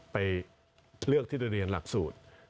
ไปเลือกที่จะเรียนหลักสูตร